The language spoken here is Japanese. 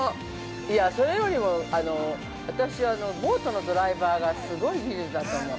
◆それよりも、私は、あの、ボートのドライバーが、すごい技術だと思う。